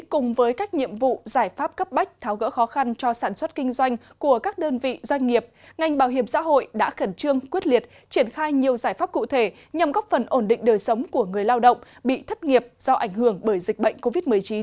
cùng với các nhiệm vụ giải pháp cấp bách tháo gỡ khó khăn cho sản xuất kinh doanh của các đơn vị doanh nghiệp ngành bảo hiểm xã hội đã khẩn trương quyết liệt triển khai nhiều giải pháp cụ thể nhằm góp phần ổn định đời sống của người lao động bị thất nghiệp do ảnh hưởng bởi dịch bệnh covid một mươi chín